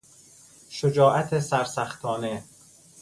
شجاعت سرسختانه